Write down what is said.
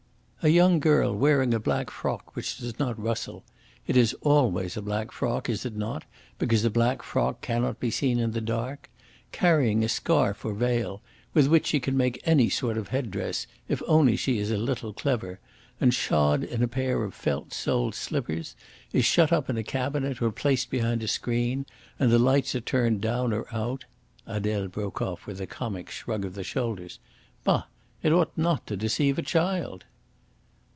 A young girl wearing a black frock which does not rustle it is always a black frock, is it not, because a black frock cannot be seen in the dark? carrying a scarf or veil, with which she can make any sort of headdress if only she is a little clever, and shod in a pair of felt soled slippers, is shut up in a cabinet or placed behind a screen, and the lights are turned down or out " Adele broke off with a comic shrug of the shoulders. "Bah! It ought not to deceive a child."